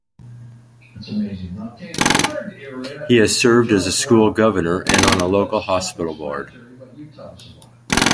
He has served as a school governor, and on a local hospital board.